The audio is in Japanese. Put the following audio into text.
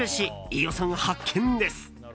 飯尾さん、発見です。